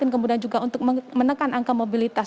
kemudian juga untuk menekan angka mobilitas